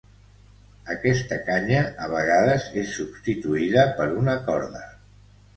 Aquesta canya, a vegades, és substituïda per una corda.